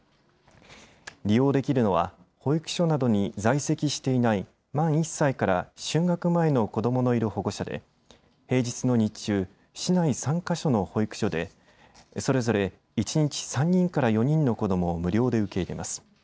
利用できるのは保育所などに在籍していない満１歳から就学前の子どものいる保護者で平日の日中市内３か所の保育所でそれぞれ一日３人から４人の子どもを無料で受け入れます。